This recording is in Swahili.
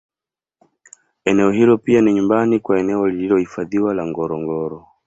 Eneo hilo pia ni nyumbani kwa eneo lililohifadhiwa la Ngorongoro